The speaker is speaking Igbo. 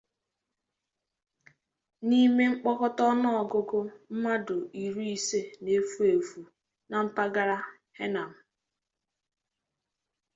n'ime mkpokọta ọnụọgụgụ mmadụ iri ise na-efu èfù na mpaghara Henan.